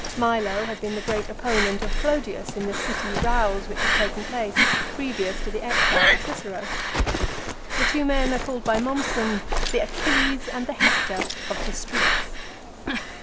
Milo had been the great opponent of Clodius in the city rows which had taken place previous to the exile of Cicero. The two men are called by Mommsen the Achilles and the Hector of the streets.